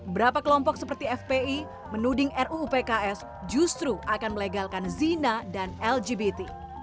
berapa kelompok seperti fpi menuding ruu pks justru akan melegalkan zina dan lgbt